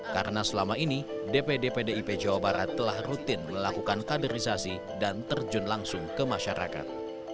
karena selama ini dpdpdip jawa barat telah rutin melakukan kaderisasi dan terjun langsung ke masyarakat